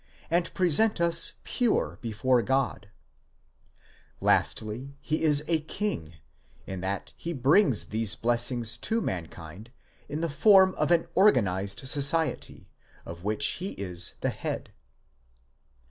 and present us pure before God; lastly, he is a king, in that he brings these blessings to mankind in the form of an organized society, of which he is the head.